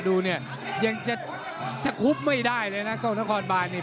ดูเนี่ยยังจะถ้าคุบไม่ได้เลยนะกล้องนครบานนี่